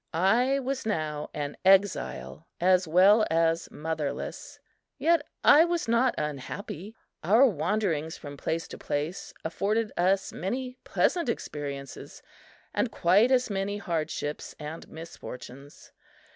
I was now an exile as well as motherless; yet I was not unhappy. Our wanderings from place to place afforded us many pleasant experiences and quite as many hardships and misfortunes.